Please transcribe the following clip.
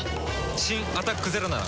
新「アタックＺＥＲＯ」なら。